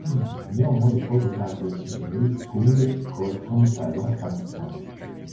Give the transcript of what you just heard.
Néanmoins, les points de caractéristiques de Neilstrung correspondent à Lance Armstrong.